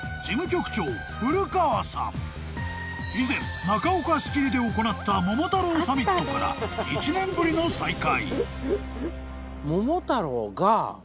［以前中岡仕切りで行った桃太郎サミットから１年ぶりの再会］